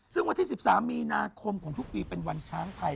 ซึ่งวันที่๑๓มีนาคมของทุกปีเป็นวันช้างไทย